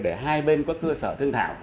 để hai bên có cơ sở thương thảo